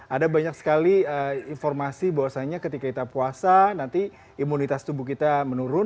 ada banyak sekali informasi bahwasannya ketika kita puasa nanti imunitas tubuh kita menurun